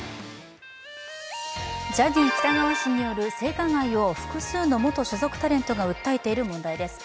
ジャニー喜多川氏による性加害を複数の元所属タレントが訴えている問題です。